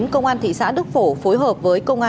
công an thị xã đức phổ phối hợp với công an